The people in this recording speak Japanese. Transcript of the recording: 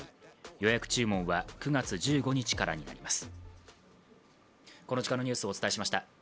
予約注文は９月１５日からになります。